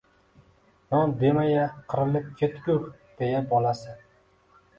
— Non dema-ya, qirilib ketgur! — deya, bolasi